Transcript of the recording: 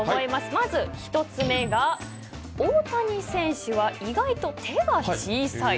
まず１つ目が大谷選手は意外と手が小さい。